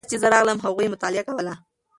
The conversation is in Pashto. کله چې زه راغلم هغوی مطالعه کوله.